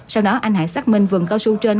sau đó anh hải xác minh vườn cao su trên